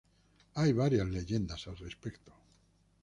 Hay varias leyendas al respecto.